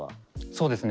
そうですね